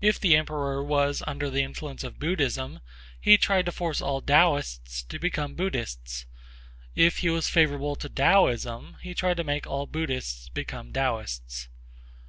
If the emperor was under the influence of Buddhism he tried to force all Taoists to become Buddhists. If he was favorable to Taoism he tried to make all Buddhists become Taoists.